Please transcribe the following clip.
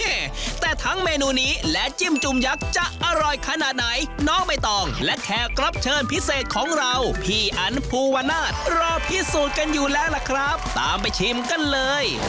แต่ทั้งเมนูนี้และจิ้มจุ่มยักษ์จะอร่อยขนาดไหนน้องใบตองและแขกรับเชิญพิเศษของเราพี่อันภูวนาศรอพิสูจน์กันอยู่แล้วล่ะครับตามไปชิมกันเลย